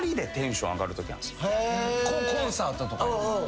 コンサートとかで。